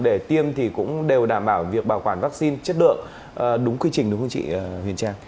để tiêm thì cũng đều đảm bảo việc bảo quản vaccine chất lượng đúng quy trình đúng không chị huyền trang